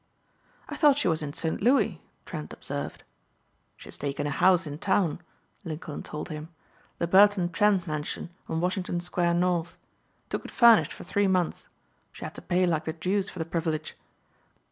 "I thought she was in St. Louis," Trent observed. "She's taken a house in town," Lincoln told him. "The Burton Trent mansion on Washington Square, North. Took it furnished for three months. She had to pay like the deuce for the privilege.